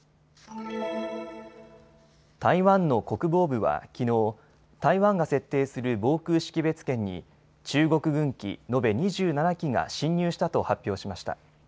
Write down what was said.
台湾の国防部はきのう、台湾が設定する防空識別圏に中国軍機、延べ２７機が侵入したと発表しました。